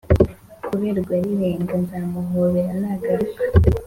kuberwa rirenga.nzamuhobera nagaruka